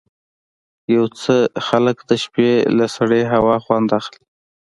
یو څه خلک د شپې له سړې هوا خوند اخلي.